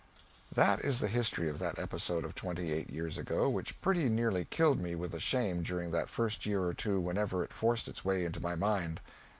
That is the history of that episode of twenty eight years ago, which pretty nearly killed me with shame during that first year or two whenever it forced its way into my mind.